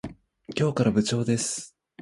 今日から部長です。